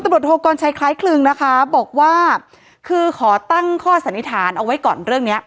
บทโทกรชัยคล้ายคลึงนะคะบอกว่าคือขอตั้งข้อสันนิษฐานเอาไว้ก่อนเรื่องเนี้ย